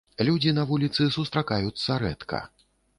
Людзі на вуліцы сустракаюцца рэдка.